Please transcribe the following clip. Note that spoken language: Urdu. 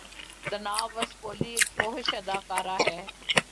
دانا وسپولی ایک فحش اداکارہ ہے